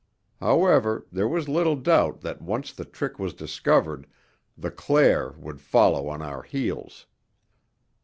However, there was little doubt that once the trick was discovered the Claire would follow on our heels.